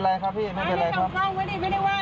มานี่กล่องไว้ดิไม่ได้ว่าอะไรแต่ว่าเมื่อไม่ให้ก็อย่าด่า